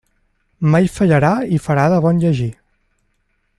Mai fallarà i farà de bon llegir.